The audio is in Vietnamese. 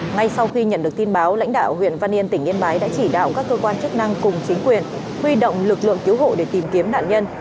ngay sau khi nhận được tin báo lãnh đạo huyện văn yên tỉnh yên bái đã chỉ đạo các cơ quan chức năng cùng chính quyền huy động lực lượng cứu hộ để tìm kiếm nạn nhân